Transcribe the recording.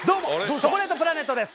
チョコレートプラネットです。